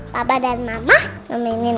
papa dan mama memainkan aku kan